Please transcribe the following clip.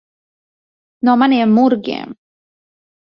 No maniem murgiem.